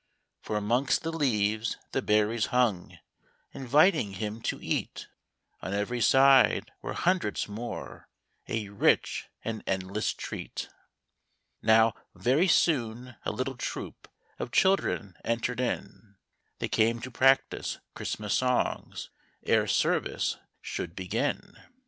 For 'mongst the leaves the berries hung, Inviting him to eat ; On every side were hundreds more,— A rich and endless treat. .3 THE ROBINS CHRISTMAS EVE. Mow, very soon a little troop, Of children entered in : They came to practice Christmas songs Ere service should begin.